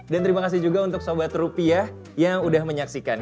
dan terima kasih juga untuk sobat rupiah yang sudah menyaksikan